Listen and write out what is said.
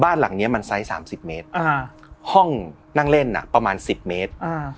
บ้านหลังเนี้ยมันไซส์สามสิบเมตรอ่าห้องนั่งเล่นน่ะประมาณสิบเมตรอ่า